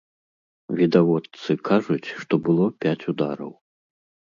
Відавочцы кажуць, што было пяць удараў.